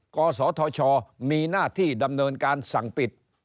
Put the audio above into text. กศธชมีหน้าที่ดำเนินการสั่งปิด